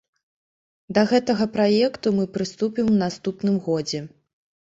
Да гэтага праекта мы прыступім у наступным годзе.